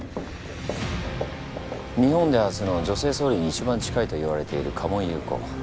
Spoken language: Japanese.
日本で初の女性総理に一番近いといわれている鴨井ゆう子。